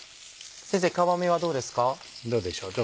先生皮目はどうですか？